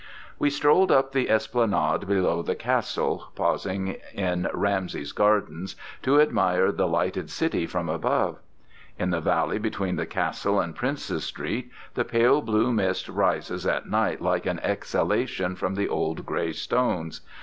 We strolled up the esplanade below the Castle, pausing in Ramsay's Gardens to admire the lighted city from above. In the valley between the Castle and Princes Street the pale blue mist rises at night like an exhalation from the old gray stones.